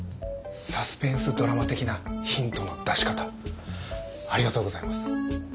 サスペンスドラマ的なヒントの出し方ありがとうございます。